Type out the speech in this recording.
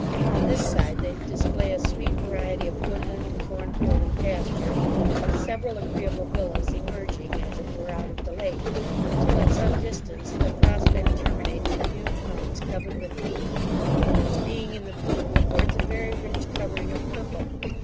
On this side they display a sweet variety of woodland, cornfield, and pasture, with several agreeable villas emerging as it were out of the lake, till, at some distance, the prospect terminates in huge mountains covered with heath, which being in the bloom, affords a very rich covering of purple.